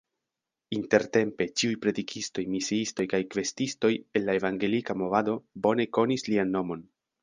Intertempe ĉiuj predikistoj, misiistoj kaj kvestistoj en la Evangelika movado bone konis lian nomon.